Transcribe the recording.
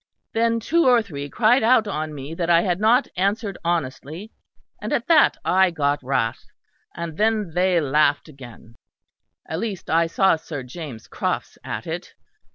Then two or three cried out on me that I had not answered honestly; and at that I got wrath; and then they laughed again, at least I saw Sir James Crofts at it.